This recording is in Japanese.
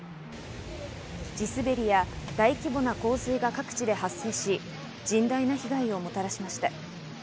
地滑りや大規模な洪水が各地で発生し、甚大な被害をもたらしました。